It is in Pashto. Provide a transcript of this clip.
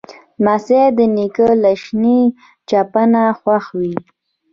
لمسی د نیکه له شین چپنه خوښ وي.